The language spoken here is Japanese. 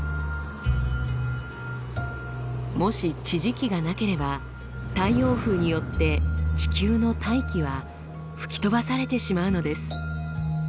もし地磁気がなければ太陽風によって地球の大気は吹き飛ばされてしまうのです。